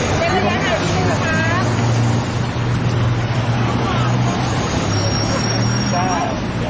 สวัสดีครับไปครับ